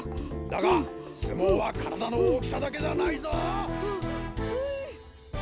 だがすもうはからだのおおきさだけじゃないぞ！ははい。